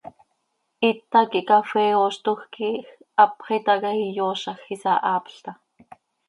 Hita quih cafee ooztoj quij hapx itaca, iyoozaj, isahaapl taa.